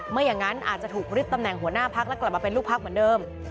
ไม่อย่างนั้นอาจจะถูกริบตำแหน่งหัวหน้าพักและกลับมาเป็นลูกพักเหมือนเดิม